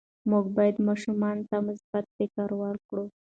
موږ باید ماشومانو ته مثبت فکر ورکړو.